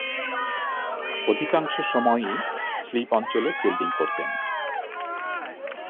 অধিকাংশ সময়েই স্লিপ অঞ্চলে ফিল্ডিং করতেন।